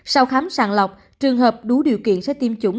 sau khám sàng lọc trường hợp đủ điều kiện sẽ tiêm chủng